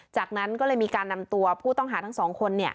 จากนั้นก็เลยมีการนำตัวผู้ต้องหาทั้งสองคน